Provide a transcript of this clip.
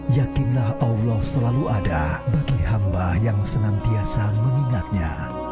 yakinlah allah selalu ada bagi hamba yang senantiasa mengingatnya